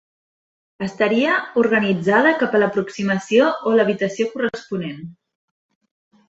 Estaria organitzada cap a l'aproximació o l'evitació corresponent.